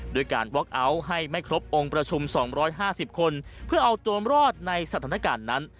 ด้วยการวอคเอาท์ให้ไม่ครบองค์ประชุม๒๕๐คนเพื่อเอาตัวรอดในสถานการณ์นั้น